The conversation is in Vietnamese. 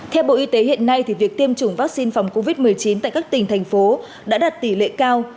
theo bộ y tế hiện nay việc tiêm chủng vaccine phòng covid một mươi chín tại các tỉnh thành phố đã đạt tỷ lệ cao